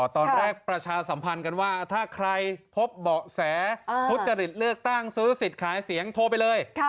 ประชาสัมพันธ์กันว่าถ้าใครพบเบาะแสทุจริตเลือกตั้งซื้อสิทธิ์ขายเสียงโทรไปเลย